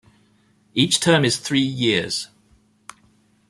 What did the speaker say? Each term is three years.